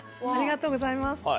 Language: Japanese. ありがとうございます。